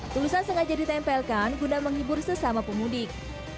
tulisan sengaja ditempelkan guna menghibur sesama pemudik